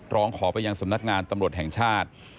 ร้องขอไปยังสำนักงานตำรวจแห่งชาติ